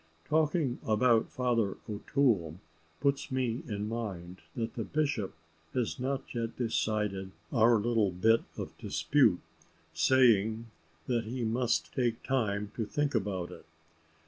Talking about Father O'Toole puts me in mind that the bishop has not yet decided our little bit of dispute, saying that he must take time to think about it.